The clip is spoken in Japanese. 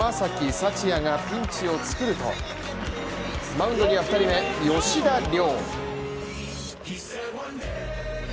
福也がピンチを作ると、マウンドには２人目、吉田凌。